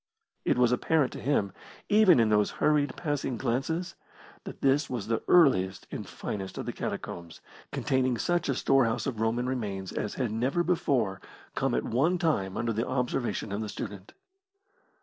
It was apparent to him, even in those hurried, passing glances, that this was the earliest and finest of the catacombs, containing such a storehouse of Roman remains as had never before come at one time under the observation of the student.